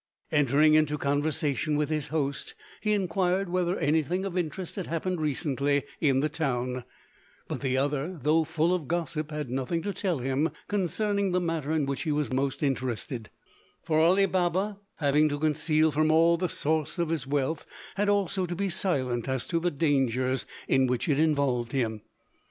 Entering into conversation with his host he inquired whether anything of interest had happened recently in the town; but the other, though full of gossip, had nothing to tell him concerning the matter in which he was most interested, for Ali Baba, having to conceal from all the source of his wealth, had also to be silent as to the dangers in which it involved him.